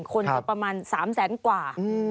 คนจะประมาณ๓แสนกว่า